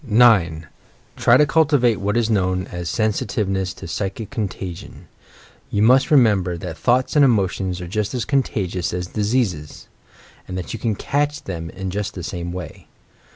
9. Try to cultivate what is known as Sensitiveness to "psychic contagion." You must remember that thoughts and emotions are just as contagious as diseases ; and that you can "catch" them in just the same way!